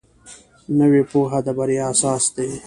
نوې پوهه د بریا اساس دی